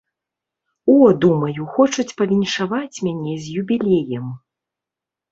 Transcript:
О, думаю, хочуць павіншаваць мяне з юбілеем.